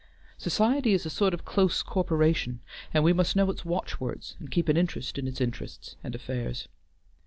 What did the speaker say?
Society is a sort of close corporation, and we must know its watchwords, and keep an interest in its interests and affairs.